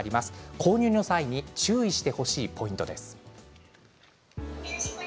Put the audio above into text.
購入の際に注意してほしいポイントです。